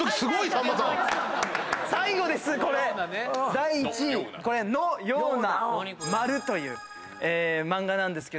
第１位『の、ような。』という漫画なんですけど。